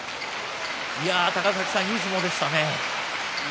高崎さん、いい相撲でしたね。